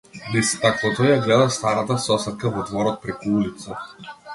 Низ стаклото ја гледам старата сосетка во дворот преку улица.